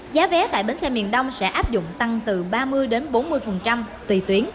giá vé tại bến xe miền đông sẽ áp dụng tăng từ ba mươi bốn mươi tùy tuyến